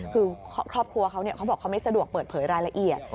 คือครอบครัวเขาเขาบอกเขาไม่สะดวกเปิดเผยรายละเอียด